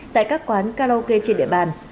tại các quán karaoke trên địa bàn